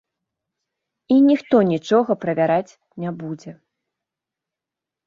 І ніхто нічога правяраць не будзе.